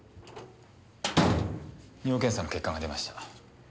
尿検査の結果が出ました。